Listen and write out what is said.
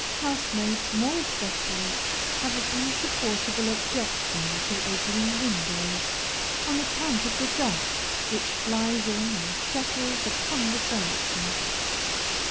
Housemaids, more especially, have an insupportable objection to opening windows, on account of the dust which flies in and settles upon the furniture.